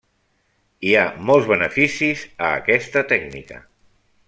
Hi ha molts beneficis a aquesta tècnica.